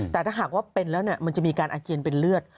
แต่ถ้าหากว่าเป็นแล้วมันจะมีการอาเจียนเป็นเลือด